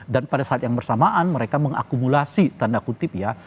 dan pada saat yang bersamaan mereka mengakumulasi tanda kutub ya